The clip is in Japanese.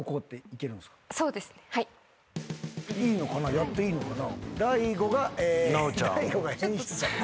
やっていいのかな？